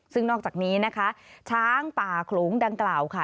ซึ่งนอกจากนี้นะคะช้างป่าโขลงดังกล่าวค่ะ